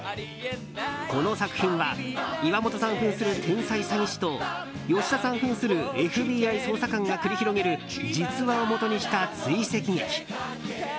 この作品は岩本さん扮する天才詐欺師と吉田さん扮するＦＢＩ捜査官が繰り広げる実話をもとにした追跡劇。